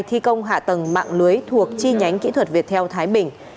thi công hạ tầng mạng lưới thuộc chi nhánh kỹ thuật việt theo thái bình